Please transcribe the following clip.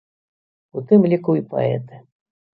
У тым ліку і паэты.